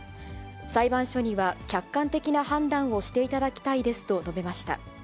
裁判所には客観的な判断をしていただきたいですと述べました。